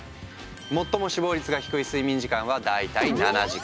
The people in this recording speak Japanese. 最も死亡率が低い睡眠時間は大体７時間。